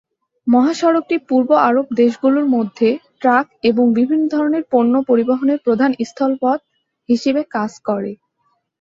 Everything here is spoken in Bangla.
মহাসড়কটি পূর্ব আরব দেশগুলোর মধ্যে ট্রাক এবং বিভিন্ন ধরণের পণ্য পরিবহনের প্রধান স্থল পথ হিসেবে কাজ করে।